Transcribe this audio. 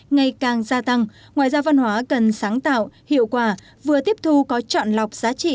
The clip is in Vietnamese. ngày càng gia tăng ngoại giao văn hóa cần sáng tạo hiệu quả vừa tiếp thu có trọn lọc giá trị